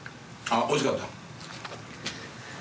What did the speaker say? おいしかった？